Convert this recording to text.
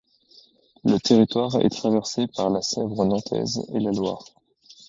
Le territoire est traversé par la Sèvre Nantaise et la Loire.